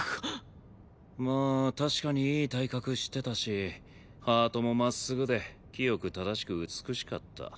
まあ確かにいい体格してたしハートも真っすぐで清く正しく美しかった。